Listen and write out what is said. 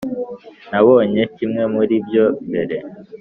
nabonye kimwe muri ibyo mbere.